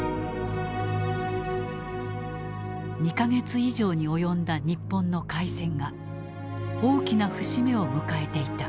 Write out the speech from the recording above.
２か月以上に及んだ日本の開戦が大きな節目を迎えていた。